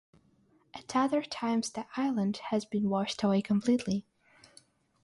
At other times the island has been washed away completely.